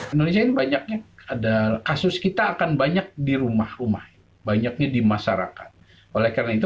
indonesia ini banyaknya ada kasus kita akan banyak di rumah rumah banyaknya di masyarakat oleh karena itu